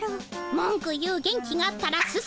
文句言う元気があったら進みな。